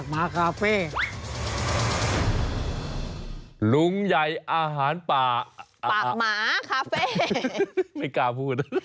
ไม่กล้าพูด